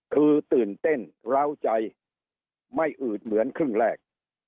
คือตื่นเต้นร้าวใจไม่อืดเหมือนครึ่งแรก